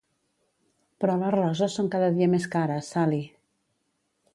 Però les roses són cada dia més cares, Sally.